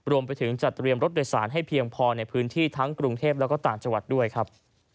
รวมไปถึงจัดเตรียมรถโดยสารให้เพียงพอในพื้นที่ทั้งกรุงเทพแล้วก็ต่างจังหวัดด้วยครับ